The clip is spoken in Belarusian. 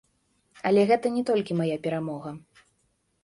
Але гэта не толькі мая перамога.